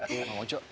aduh bang ojo